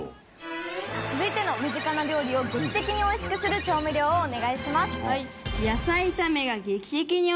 続いての身近な料理を劇的においしくする調味料をお願いします。